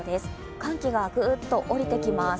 寒気がグーッと下りてきます。